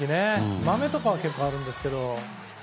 マメとかは結構あるんですけど。